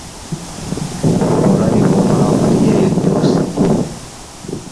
Olabika omala kulya eyo gyosiibye.